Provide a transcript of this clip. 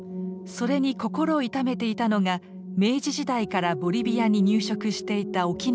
それに心を痛めていたのが明治時代からボリビアに入植していた沖縄の人たち。